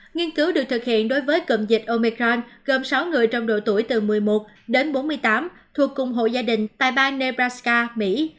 nghiên cứu được thực hiện đối với cụm dịch omecran gồm sáu người trong độ tuổi từ một mươi một đến bốn mươi tám thuộc cùng hộ gia đình tại bang nebraska mỹ